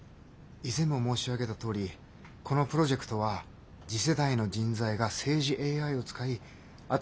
以前も申し上げたとおりこのプロジェクトは次世代の人材が政治ＡＩを使い新しい政治を行うためのものです。